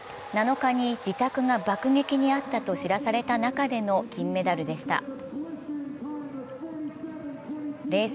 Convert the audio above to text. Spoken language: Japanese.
７日に自宅が爆撃に遭ったと知らされた中での金メダルでした。